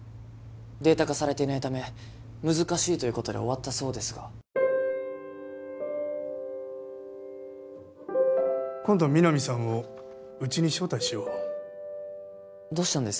データ化されていないため難しいということで終わったそうですが今度皆実さんをうちに招待しようどうしたんです？